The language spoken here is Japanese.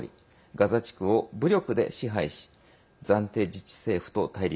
ガザ地区を武力で支配し暫定自治政府と対立。